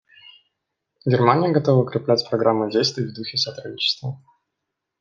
Германия готова укреплять Программу действий в духе сотрудничества.